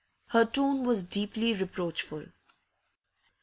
Her tone was deeply reproachful.